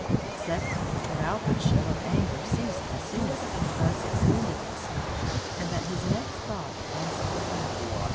Secondly, that Alfred's show of anger ceased as soon as it had thus expended itself, and that his next thought was for Hope.